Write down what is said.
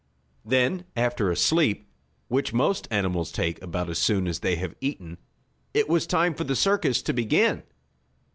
Then after a sleep, which most animals take about as soon as they have eaten, it was time for the circus to begin.